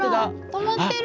止まってる！